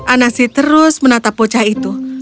anasi terus menatap bocah itu